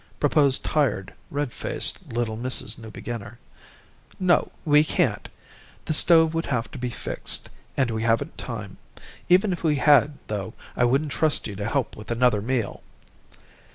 proposed tired, redfaced little Mrs. Newbeginner. "No, we can't. The stove would have to be fixed, and we haven't time. Even if we had, though, I wouldn't trust you to help with another meal."